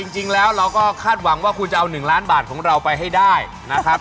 จริงแล้วเราก็คาดหวังว่าคุณจะเอา๑ล้านบาทของเราไปให้ได้นะครับ